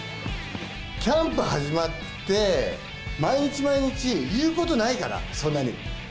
キャンプ始まって、毎日毎日言うことないから、そんなに。